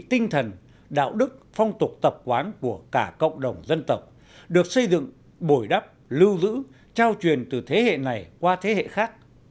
tinh thần đạo đức phong tục tập quán của cả cộng đồng dân tộc được xây dựng bồi đắp lưu giữ trao truyền từ thế hệ này qua thế hệ khác